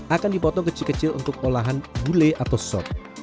akan dipotong kecil kecil untuk olahan gulai atau sop